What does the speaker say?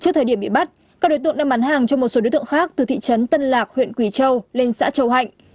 trước thời điểm bị bắt các đối tượng đã bán hàng cho một số đối tượng khác từ thị trấn tân lạc huyện quỳ châu lên xã châu hạnh